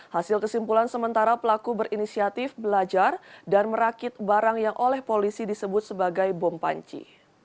hasil kesimpulan sementara pelaku berinisiatif belajar dan merakit barang yang oleh polisi disebut sebagai bom panci